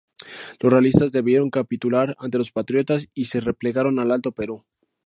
Los realistas debieron capitular ante los patriotas y se replegaron al Alto Perú.